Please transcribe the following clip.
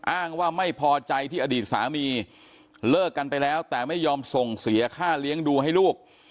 อ้างว่าไม่พอใจที่อดีตสามีเลิกกันไปแล้วแต่ไม่ยอมส่งเสียค่าเลี้ยงดูให้ลูก